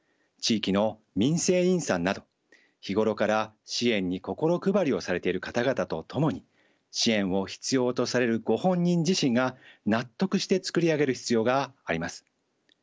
地域の民生委員さんなど日頃から支援に心配りをされている方々と共に支援を必要とされるご本人自身が納得して作り上げる必要があります。